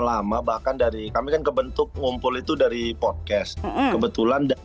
lama bahkan dari kami yang ke bentuk amprogram itu dari podcast kebetulan